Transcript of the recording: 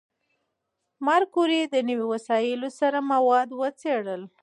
ماري کوري د نوي وسایلو سره مواد وڅېړل.